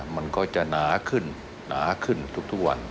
มันก็จะหนาขึ้นหนาขึ้นทุกวัน